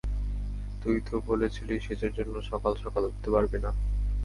তুই তো বলেছিলি সেচের জন্য সকাল সকাল উঠতে পারবি না।